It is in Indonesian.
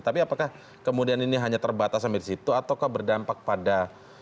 tapi apakah kemudian ini hanya terbatas sampai di situ atau berdampak pada